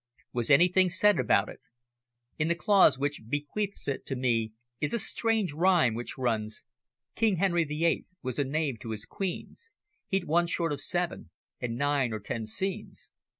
Was anything said about it?" "In the clause which bequeaths it to me is a strange rhyme which runs "`King Henry the Eighth was a knave to his queens. He'd one short of seven and nine or ten scenes!'